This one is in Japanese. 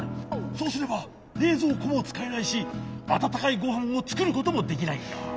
そうすればれいぞうこもつかえないしあたたかいごはんをつくることもできないんだ。